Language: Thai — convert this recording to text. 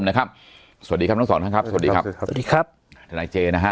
สวัสดีครับทั้งสองท่านครับสวัสดีครับสวัสดีครับทนายเจนะฮะ